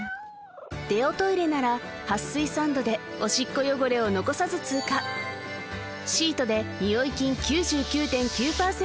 デオトイレなら撥水サンドでオシッコ汚れを残さず通過シートでニオイ菌９９．９％